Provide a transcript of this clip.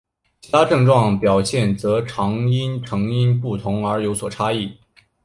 其他症状表现则常因成因不同而有所差异。